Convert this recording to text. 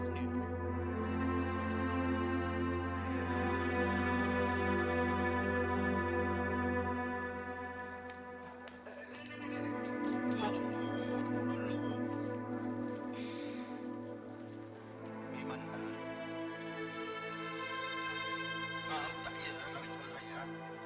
kita sebagai hambanya